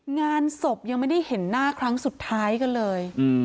งานศพยังไม่ได้เห็นหน้าครั้งสุดท้ายกันเลย